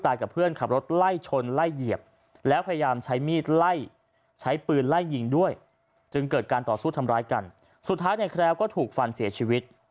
ถึงเกิดการต่อสู้ทำร้ายกันสุดท้ายแคลวก็ถูกฝั่นเสียชีวิต